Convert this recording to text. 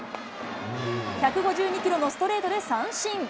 １５２キロのストレートで三振。